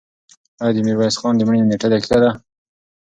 آیا د میرویس خان د مړینې نېټه دقیقه ده؟